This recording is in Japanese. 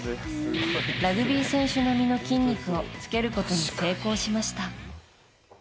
ラグビー選手並みの筋肉をつけることに成功しました。